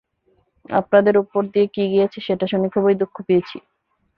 আপনাদের উপর দিয়ে কী গিয়েছে সেটা শুনে খুবই দুঃখ পেয়েছি।